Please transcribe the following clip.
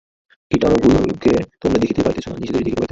কীটাণুগুলিকে তোমরা দেখিতে পাইতেছ না, নিজেদেরই দেখিতে পাইতেছ।